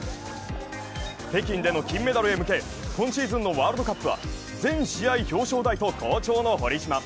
北京での金メダルへ向け、今シーズンのワールドカップは全試合表彰台と好調の堀島。